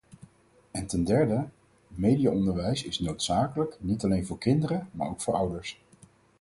En ten derde: mediaonderwijs is noodzakelijk, niet alleen voor kinderen maar ook voor ouders.